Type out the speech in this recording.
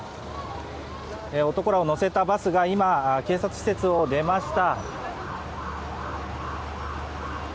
男らを乗せたバスが今、警察施設を出ました。